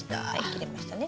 切れましたね。